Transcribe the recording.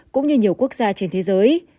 cũng như nhiều quốc gia trên thế giới